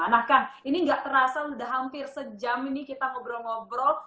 nah kang ini gak terasa sudah hampir sejam ini kita ngobrol ngobrol